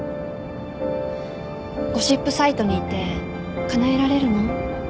ゴシップサイトにいてかなえられるの？